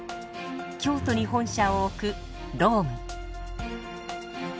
京都に本社を置くローム。